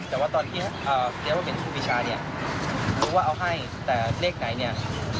แต่ว่าตอนที่เอ่อเจ๊บ้าบิลเป็นผู้พิชาเนี้ยรู้ว่าเอาให้แต่เลขไหนเนี้ย